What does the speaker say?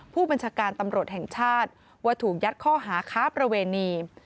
ผู้บัญชาการตำรวจแห่งชาติว่าถูกยัดข้อหาค้าประเวณี